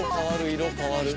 色変わる！